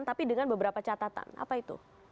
tapi dengan beberapa catatan apa itu